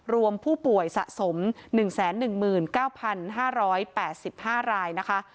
รวมผู้ป่วยสะสม๑๑๙๕๘๕รายนะคะ